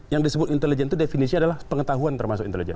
yang disebut intelijen itu definisinya adalah pengetahuan termasuk intelijen